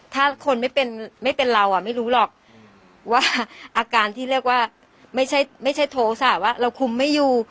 ถ้าคนไม่เป็นไม่เป็นเราอ่ะไม่รู้หรอกว่าอาการที่เรียกว่าไม่ใช่โทษะว่าเราคุมไม่อยู่